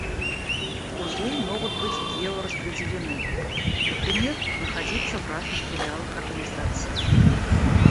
Узлы могут быть гео-распределены: например, находиться в разных филиалах организации